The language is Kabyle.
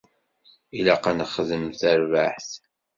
Ilaq ad nexdem d tarbaεt.